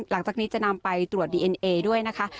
หลังจากนี้จะนำไปตรวจดีเอ็นเอด้วยนะคะ